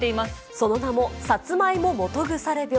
その名もサツマイモ基腐病。